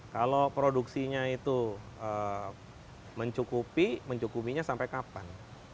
kalau produksinya itu mencukupi mencukupinya sampai kapan